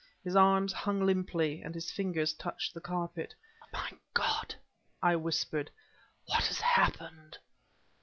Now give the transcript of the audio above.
His arms hung limply, and his fingers touched the carpet. "My God!" I whispered "what has happened?"